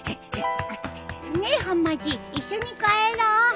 ねぇはまじ一緒に帰ろう。